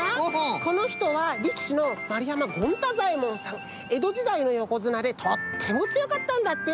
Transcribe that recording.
このひとはりきしの丸山権太左衛門さん！えどじだいのよこづなでとってもつよかったんだって！